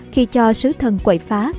khi cho sứ thần quậy phá